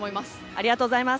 ありがとうございます。